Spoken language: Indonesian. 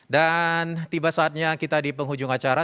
dan tiba saatnya kita di penghujung acara